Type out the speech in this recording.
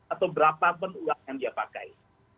atau berapa pun uang yang dia pakai